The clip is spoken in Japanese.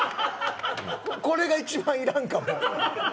これが一番いらんかも。